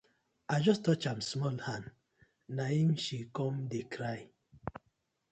I just touch am small hand na im she com dey cry.